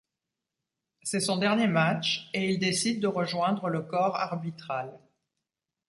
C'est son dernier match, et il décide de rejoindre le corps arbitral.